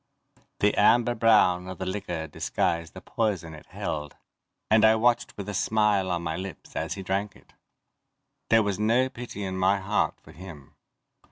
The amber brown of the liquor disguised the poison it held, and I watched with a smile on my lips as he drank it. There was no pity in my heart for him.